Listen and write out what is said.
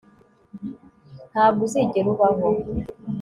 Ntabwo uzigera ubaho